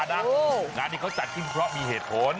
งานที่เขาจัดพิมพ์เพราะมีเหตุผล